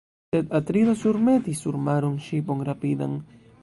Sed Atrido surmetis sur maron ŝipon rapidan.